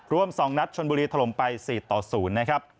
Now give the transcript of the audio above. รวม๒นัดชนบุรีถล่มไป๔๐